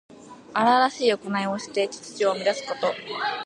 荒々しいおこないをして秩序を乱すこと。